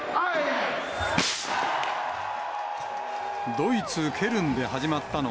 ドイツ・ケルンで始まったの